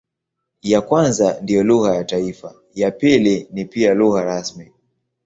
Ya kwanza ndiyo lugha ya taifa, ya pili ni pia lugha rasmi.